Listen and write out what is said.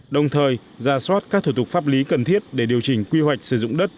đồng thời ra soát các thủ tục pháp lý cần thiết để điều chỉnh quy hoạch sử dụng đất